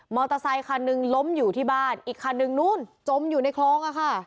อเตอร์ไซคันหนึ่งล้มอยู่ที่บ้านอีกคันนึงนู้นจมอยู่ในคลองอะค่ะ